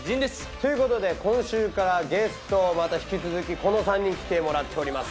ということで今週からゲストをまた引き続きこの３人来てもらっております。